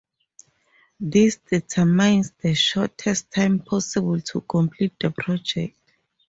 This determines the shortest time possible to complete the project.